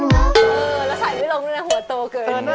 แล้วใส่ไม่ลงด้วยนะหัวโตเกิน